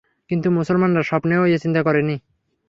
কিন্তু মুসলমানরা স্বপ্নেও এ চিন্তা করে নি।